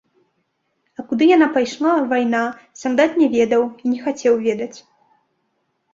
А куды яна пайшла, вайна, салдат не ведаў і не хацеў ведаць.